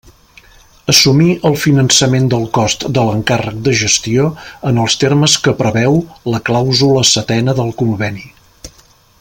Assumir el finançament del cost de l'encàrrec de gestió en els termes que preveu la clàusula setena del Conveni.